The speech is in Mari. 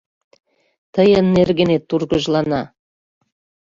Тыйын нергенет тургыжлана!